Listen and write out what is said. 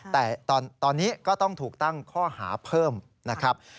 แต่ตอนนี้ก็ต้องถูกตั้งข้อหาเพิ่มนะครับ